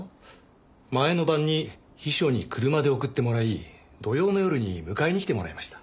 前の晩に秘書に車で送ってもらい土曜の夜に迎えに来てもらいました。